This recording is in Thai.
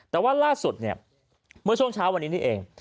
แต่ว่าล่าสุดเนี่ยเมื่อช่วงเช้าวันนี้นี่เอง